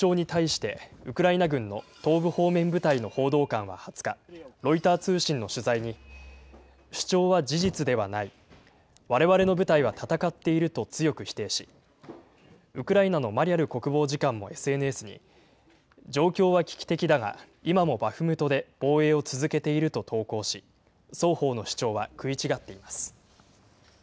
ロシア側の主張に対して、ウクライナ軍の東部方面部隊の報道官は２０日、ロイター通信の取材に、主張は事実ではない、われわれの部隊は戦っていると強く否定し、ウクライナのマリャル国防次官もＳＮＳに、状況は危機的だが、今もバフムトで防衛を続けていると投稿し、双方の主張は食い違っています。